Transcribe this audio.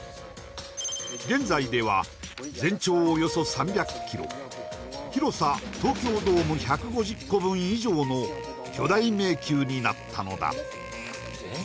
現在では全長およそ３００ｋｍ広さ東京ドーム１５０個分以上の巨大迷宮になったのだ